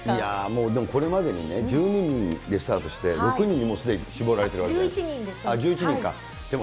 もうでもこれまでにね、１２人でスタートして、６人に、もうすでに絞られてるわけで。